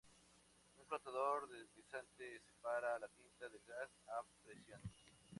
Un flotador deslizante separa la tinta del gas a presión.